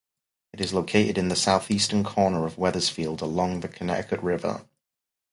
It is located in the southeastern corner of Weathersfield, along the Connecticut River.